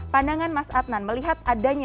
pandangan mas adnan melihat adanya